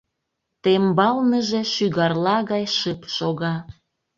Тембалныже шӱгарла гай шып шога.